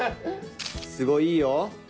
すごいいいよ。